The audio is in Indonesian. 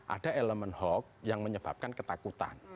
ada elemen hoax yang menyebabkan ketakutan